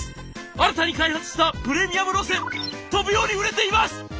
新たに開発したプレミアム路線飛ぶように売れています！」。